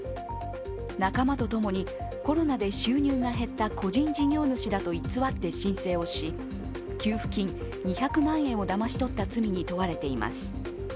仲間とともにコロナで収入が減った個人事業主だと偽って申請をし給付金２００万円をだまし取った罪に問われています。